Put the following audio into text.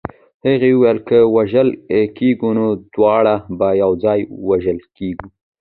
هغې ویل که وژل کېږو نو دواړه به یو ځای وژل کېږو